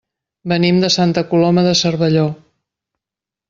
Venim de Santa Coloma de Cervelló.